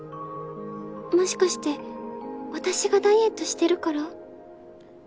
もしかして私がダイエットしてるから？